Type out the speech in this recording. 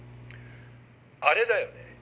あれだよね